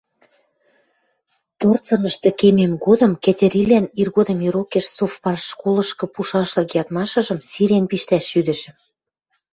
торцынышты кемем годым Кӹтьӹрилӓн иргодым ирокеш совпартшколышкы пушашлык ядмашыжым сирен пиштӓш шӱдӹшӹм.